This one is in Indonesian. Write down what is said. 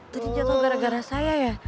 jatuh gara gara saya ya